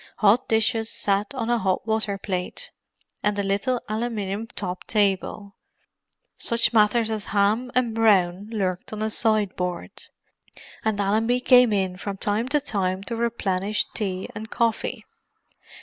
Hot dishes sat on a hot water plate and a little aluminium topped table; such matters as ham and brawn lurked on a sideboard; and Allenby came in from time to time to replenish tea and coffee.